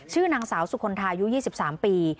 ชื่อนางสาวสุคลทายุ๒๓ปี